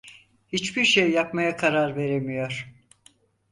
Hiçbir şey yapmaya karar veremiyor…